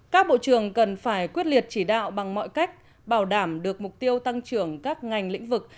các bộ trưởng cần phải quyết liệt chỉ đạo bằng mọi cách bảo đảm được mục tiêu tăng trưởng các ngành lĩnh vực